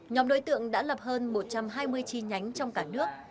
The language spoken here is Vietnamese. nhóm đối tượng đã lập hơn một trăm hai mươi chi nhánh trong cả nước